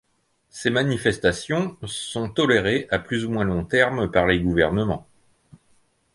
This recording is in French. Ces manifestations sont tolérées à plus ou moins long terme par les gouvernements.